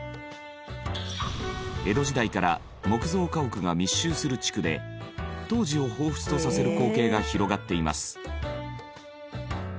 江戸時代から木造家屋が密集する地区で当時を彷彿とさせる光景が広がっています。